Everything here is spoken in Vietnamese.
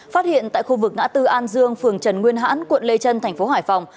phát hiện tại khu vực ngã tư an dương phường trần nguyên hãn quận lê trân tp hải phòng